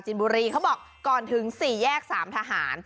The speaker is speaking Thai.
ส่วนเมนูที่ว่าคืออะไรติดตามในช่วงตลอดกิน